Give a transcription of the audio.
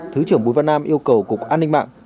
thứ trưởng bùi văn nam yêu cầu cục an ninh mạng